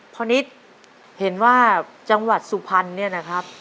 นิดเห็นว่าจังหวัดสุพรรณเนี่ยนะครับ